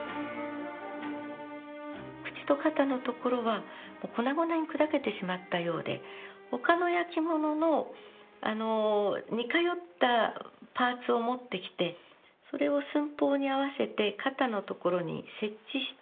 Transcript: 口と肩のところはもう粉々に砕けてしまったようで他の焼き物の似通ったパーツを持ってきてそれを寸法に合わせて肩のところに設置して